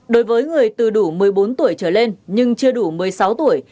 đối với người từ đủ một mươi bốn tuổi trở lên nhưng chưa đủ một mươi sáu tuổi